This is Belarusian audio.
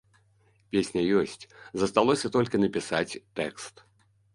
Песня ёсць, засталося толькі напісаць тэкст.